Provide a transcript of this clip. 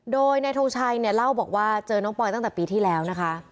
โดยนายทงชัยเนี่ยเล่าบอกว่าเจอน้องปอยตั้งแต่ปีที่แล้วนะคะ